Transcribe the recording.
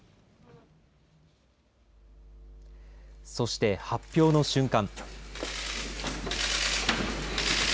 そして、発表の瞬間。